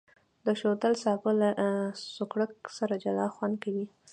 د شوتل سابه له سوکړک سره جلا خوند کوي.